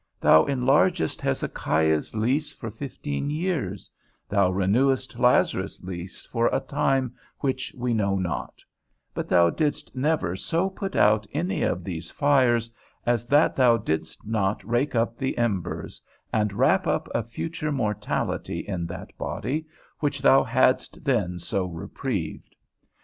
Thou enlargedst Hezekiah's lease for fifteen years; thou renewedst Lazarus's lease for a time which we know not; but thou didst never so put out any of these fires as that thou didst not rake up the embers, and wrap up a future mortality in that body, which thou hadst then so reprieved.